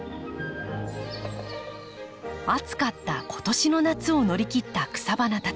暑かった今年の夏を乗り切った草花たち。